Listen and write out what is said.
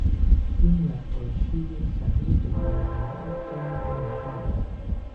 این نقاشی یک صحنهی تکان دهنده از جنگ را نشان میدهد.